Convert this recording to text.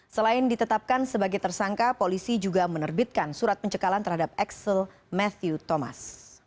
selain ditetapkan sebagai tersangka polisi juga menerbitkan surat pencekalan terhadap excel matthew thomas